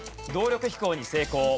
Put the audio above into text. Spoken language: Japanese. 動力飛行に成功。